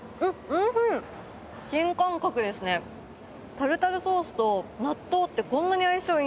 タルタルソースと納豆ってこんなに相性いいんだと思って。